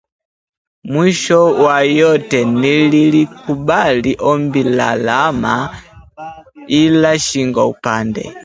Mwisho wa yote, nililikubali ombi la Rahma ila shingo upande